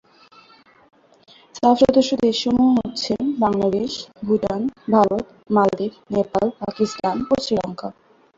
সাফ সদস্য দেশ সমূহ হচ্ছে- বাংলাদেশ, ভুটান, ভারত, মালদ্বীপ, নেপাল, পাকিস্তান ও শ্রীলঙ্কা।